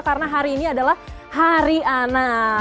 karena hari ini adalah hari anak